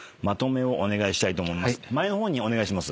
前の方にお願いします。